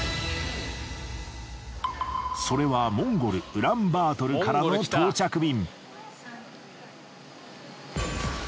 それはモンゴルウランバートルからの到着便。